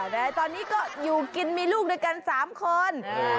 แต่ตอนนี้ก็อยู่กินมีลูกด้วยกัน๓คน